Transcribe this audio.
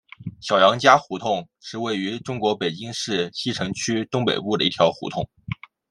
小杨家胡同是位于中国北京市西城区东北部的一条胡同。